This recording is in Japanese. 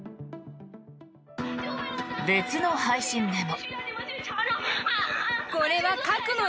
別の配信でも。